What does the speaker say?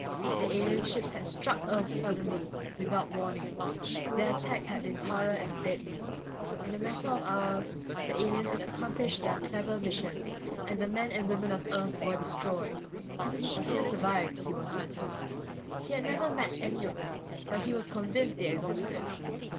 The alien ships had struck Earth suddenly, without warning. Their attack had been thorough and deadly. In a matter of hours the aliens had accomplished their clever mission and the men and women of Earth were destroyed. A few survived, he was certain. He had never met any of them, but he was convinced they existed.